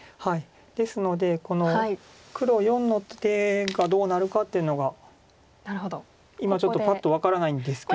ですのでこの黒④の手がどうなるかっていうのが今ちょっとパッと分からないんですけど。